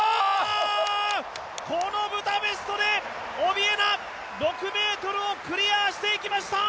このブダペストでオビエナ、６ｍをクリアしていきました！